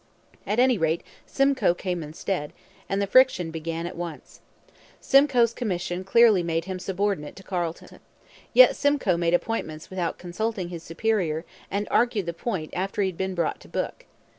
At any rate, Simcoe came instead, and the friction began at once. Simcoe's commission clearly made him subordinate to Carleton. Yet Simcoe made appointments without consulting his superior and argued the point after he had been brought to book.